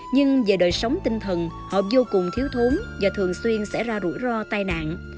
nhưng về đời sống tinh thần họ vô cùng thiếu thốn và thường xuyên sẽ ra rủi ro tai nạn